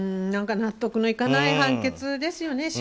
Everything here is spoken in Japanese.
納得のいかない判決ですよね